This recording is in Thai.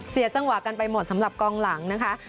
เสียจังหวะกันไปหมดสำหรับกองหลังนะคะ